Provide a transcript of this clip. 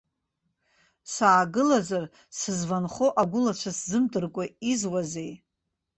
Саагылазар сызванхо агәылацәа сзымдыркәа изуазеи.